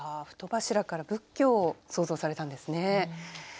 「太柱」から仏教を想像されたんですね。